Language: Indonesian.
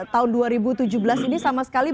tahun dua ribu tujuh belas ini sama sekali